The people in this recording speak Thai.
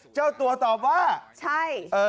เจ้าตัวตอบว่าใช่